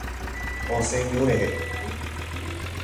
Osẽ ñu rehe.